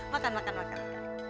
makan makan makan